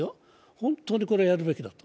本当にこれはやるべきだと。